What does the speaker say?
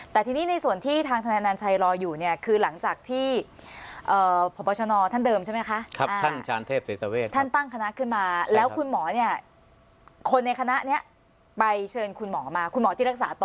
แต่ทีนี้ในส่วนที่ทางท